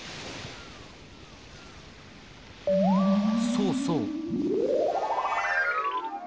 そうそう。